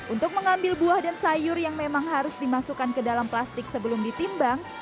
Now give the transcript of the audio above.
untuk mengambil buah dan sayur yang memang harus dimasukkan ke dalam plastik sebelum ditimbang